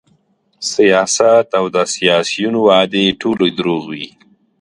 سیاست او د سیاسیونو وعدې ټولې دروغ وې